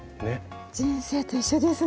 人生と一緒ですね